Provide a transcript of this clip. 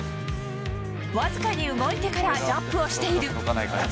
僅かに動いてからジャンプをしている。